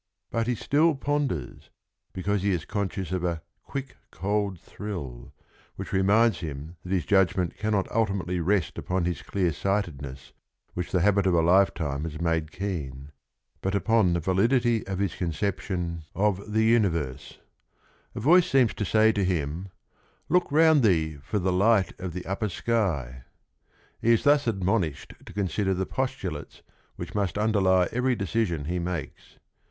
But he still ponders, because he is conscious of a "quick cold thrill," which reminds him that his judgment cannot ultimately rest upon his clear sightedness which the habit of a lifetime has made keen, but upon the validity of his conception of LESSONS OF RING AND BOOK 229 the universe. A voice seems to say to him, "Look round thee for the light of the upper sky." He is thus admonished to consider the postulates which must underlie every decision he makes.